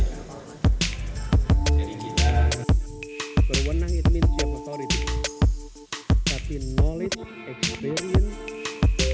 jadi kita berwenang ini tapi knowledge experience